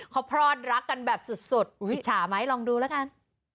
เขาพรอดรักกันแบบสุดวิจฉาไหมลองดูแล้วกัน